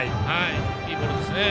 いいボールですね。